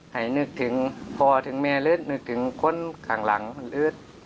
ให้นึกถึงพอถึงแม่รืสรึดถึงคนข้างหลังรืส